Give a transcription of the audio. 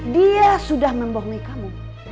dia sudah membohongi kamu